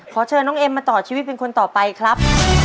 ขอเชิญน้องเอ็มมาต่อชีวิตเป็นคนต่อไปครับ